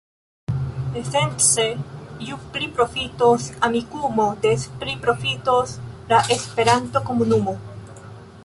Esence, ju pli profitos Amikumu, des pli profitos la Esperanto-komunumo.